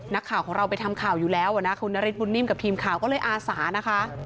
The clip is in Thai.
นักข่าวของเราไปทำข่าวอยู่แล้วนะคุณนฤทธบุญนิ่มกับทีมข่าวก็เลยอาสานะคะ